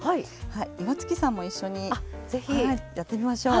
岩槻さんも一緒にやってみましょう。